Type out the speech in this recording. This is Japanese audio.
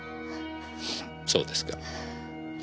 そうですか。